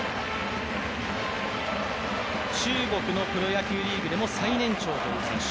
中国のプロ野球リーグでも最年長という選手。